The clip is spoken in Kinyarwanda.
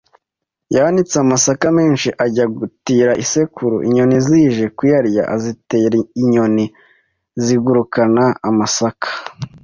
yanitse amasaka menshi ajya gutira isekuru Inyoni zije kuyarya arazitera inyoni zigurukana amasaka